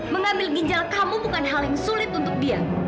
mengambil ginjal kamu bukan hal yang sulit untuk dia